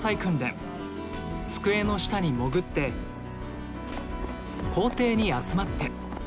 机の下にもぐって校庭に集まって。